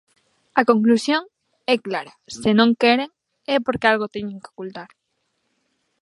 A conclusión é clara: se non queren é porque algo teñen que ocultar.